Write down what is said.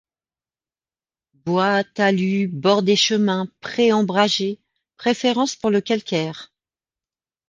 Bois, talus, bords des chemins, prés ombragés ; préférence pour le calcaire.